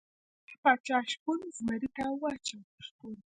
وروسته پاچا شپون زمري ته واچاوه.